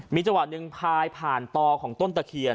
มีจังหวะหนึ่งพายผ่านตอของต้นตะเคียน